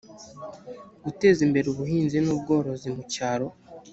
guteza imbere ubuhinzi n ubworozi mu cyaro